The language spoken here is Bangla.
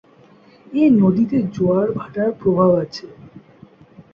এ নদীতে জোয়ার-ভাটার প্রভাব আছে।